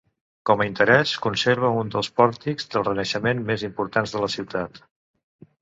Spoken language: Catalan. Com a interès conserva un dels pòrtics del renaixement més importants de la ciutat.